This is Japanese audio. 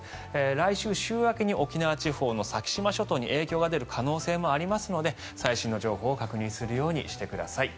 来週週明けに沖縄地方の先島諸島に影響が出る恐れもありますので最新の情報を確認するようにしてください。